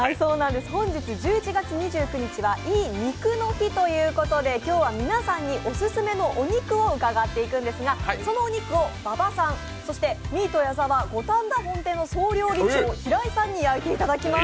本日１１月２９日はいい肉の日ということで今日は皆さんにオススメのお肉を伺っていくんですがそのお肉を馬場さん、ミート矢澤の五反田本店の総料理長、平井さんに焼いていただきます。